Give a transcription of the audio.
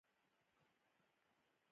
پکورې د چای ځانګړی ملګری دی